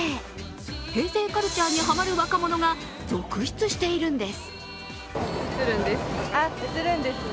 平成カルチャーにハマる若者が続出しているんです。